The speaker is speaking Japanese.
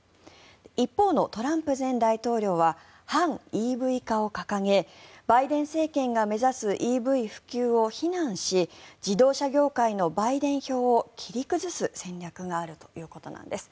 一方のトランプ前大統領は反ＥＶ化を掲げバイデン政権が目指すＥＶ普及を非難し自動車業界のバイデン票を切り崩す戦略があるということです。